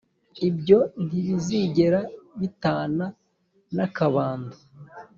ibyo ntibizigera bitana n'akabando.